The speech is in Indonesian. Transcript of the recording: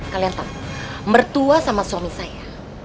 kalian tahu mertua sama suami saya